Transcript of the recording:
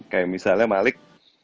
kayak misalnya malik